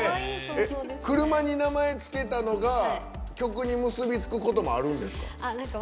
車に名前付けたのが曲に結び付くこともあるんですか？